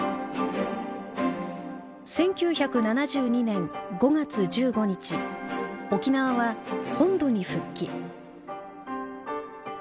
１９７２年５月１５日沖縄は本土に復帰。